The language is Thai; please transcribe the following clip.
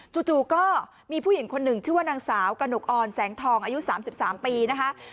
จู่ก็มีผู้หญิงคนหนึ่งชื่อว่านางสาวกระหนกออนแสงทองอายุ๓๓ปีนะคะ